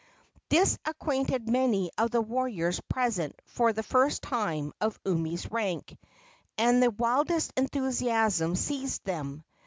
This acquainted many of the warriors present for the first time of Umi's rank, and the wildest enthusiasm seized them.